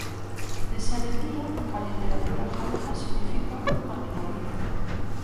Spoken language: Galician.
Nesa lectura, a literatura galega significa unha minoría.